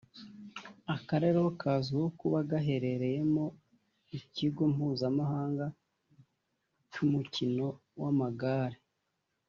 Akarere kazwiho kuba gaherereyemo ikigo mpuzamahanga cy’umukino w’amagare